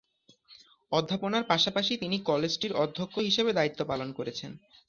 অধ্যাপনার পাশাপাশি তিনি কলেজটির অধ্যক্ষ হিসেবে দায়িত্ব পালন করেছেন।